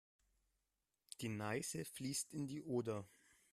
Die Neiße fließt in die Oder.